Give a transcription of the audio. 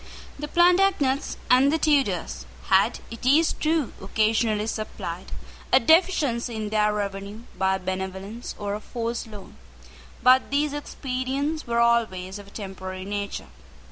The Plantagenets and the Tudors had, it is true, occasionally supplied a deficiency in their revenue by a benevolence or a forced loan: but these expedients were always of a temporary nature.